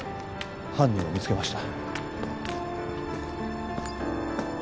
犯人を見つけました